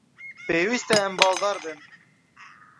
Pêwîst e em baldar bin.